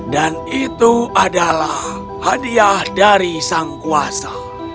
dan itu adalah hadiah dari sang kuasa